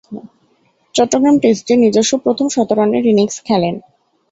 চট্টগ্রাম টেস্টে নিজস্ব প্রথম শতরানের ইনিংস খেলেন।